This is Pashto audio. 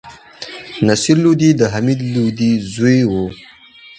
نصر لودي د حمید لودي زوی وو.